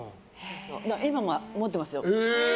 今も持ってますよ。